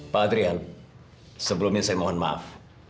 pak adrian sebelumnya saya mohon maaf